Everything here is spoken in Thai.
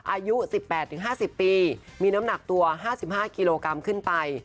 อายุ๑๘๕๐ปีมีน้ำหนักตัว๕๕กิโลกรัมขึ้นไป